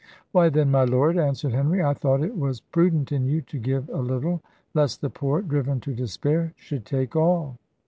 "Why, then, my lord," answered Henry, "I thought it was prudent in you to give a little, lest the poor, driven to despair, should take all."